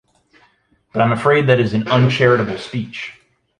But I’m afraid that is an uncharitable speech.